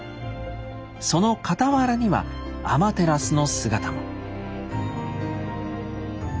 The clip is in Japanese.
その傍らにはアマテラスの姿も。